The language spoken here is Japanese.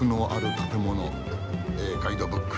えガイドブック。